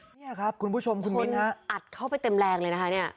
นี่ครับคุณผู้ชมคุณมิ้นฮะอัดเข้าไปเต็มแรงเลยนะคะเนี่ย